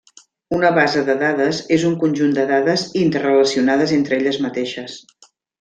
Una base de dades és un conjunt de dades interrelacionades entre elles mateixes.